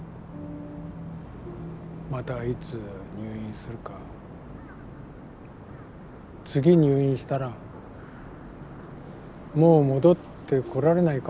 またいつ入院するか次入院したらもう戻ってこられないかもしれない。